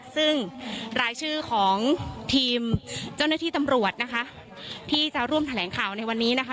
ซึ่งรายชื่อของทีมเจ้าหน้าที่ตำรวจนะคะที่จะร่วมแถลงข่าวในวันนี้นะคะ